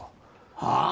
はあ？